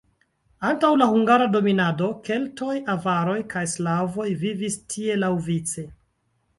Antaŭ la hungara dominado keltoj, avaroj kaj slavoj vivis tie laŭvice.